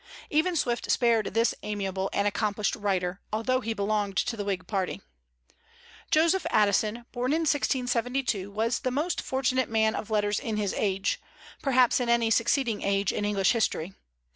Even Swift spared this amiable and accomplished writer, although he belonged to the Whig party. Joseph Addison, born in 1672, was the most fortunate man of letters in his age, perhaps in any succeeding age in English history.